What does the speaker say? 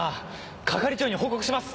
係長に報告します。